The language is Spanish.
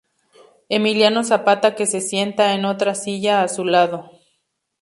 Emiliano Zapata que se sienta en otra silla a su lado.